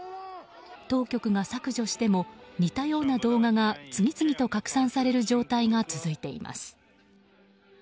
当局が削除しても似たような動画が次々と拡散される状態が続いています。